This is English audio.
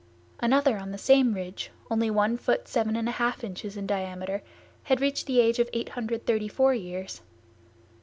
Another on the same ridge, only one foot seven and a half inches in diameter, had reached the age of 834 years.